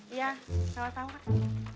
iya salam salam pak